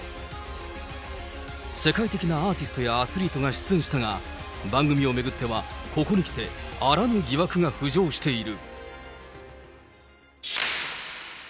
世界的なアーティストやアスリートが出演したが、番組を巡っては、ここに来て、あらぬ疑惑が浮上している。